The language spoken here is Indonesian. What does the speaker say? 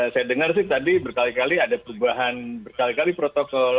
saya dengar tadi berkali kali ada perubahan protokol